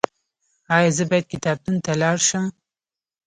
ایا زه باید کتابتون ته لاړ شم؟